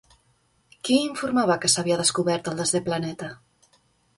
Qui informava que s'havia descobert el desè planeta?